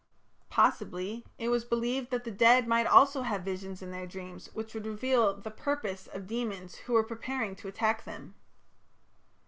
Possibly it was believed that the dead might also have visions in their dreams which would reveal the "purpose" of demons who were preparing to attack them.